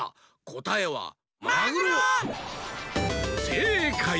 せいかい！